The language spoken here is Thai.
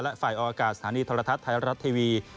และฝ่ายออกอากาศสถานีโทรทัศน์ไทยรัฐทีวี